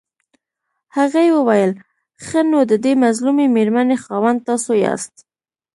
هغې وويل ښه نو ددې مظلومې مېرمنې خاوند تاسو ياست.